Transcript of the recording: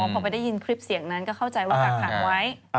พอไปได้ยินคลิปเสียงนั้นก็เข้าใจว่ากักขังไว้